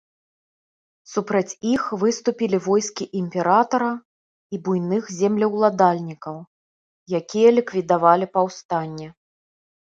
Супраць іх выступілі войскі імператара і буйных землеўладальнікаў, якія ліквідавалі паўстанне.